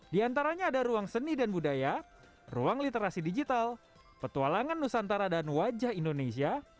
di antaranya ada ruang seni dan budaya ruang literasi digital petualangan nusantara dan wajah indonesia